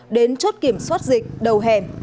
đến chốt kiểm soát dịch đầu hẻm